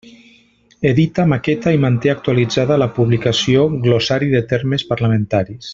Edita, maqueta i manté actualitzada la publicació Glossari de termes parlamentaris.